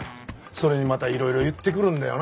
それにまたいろいろ言ってくるんだよな。